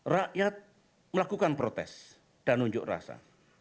rakyat melakukan protes dan unjuk rasa